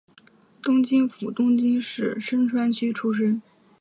东京府东京市深川区出身。